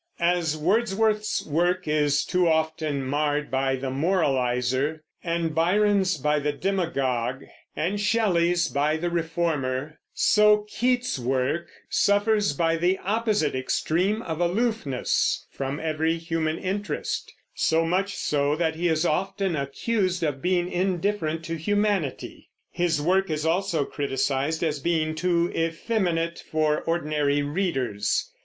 As Wordsworth's work is too often marred by the moralizer, and Byron's by the demagogue, and Shelley's by the reformer, so Keats's work suffers by the opposite extreme of aloofness from every human interest; so much so, that he is often accused of being indifferent to humanity. His work is also criticised as being too effeminate for ordinary readers.